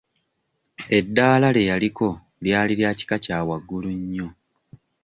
Eddaala lye yaliko lyali lya kika kya waggulu nnyo.